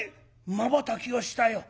まばたきをしたよ。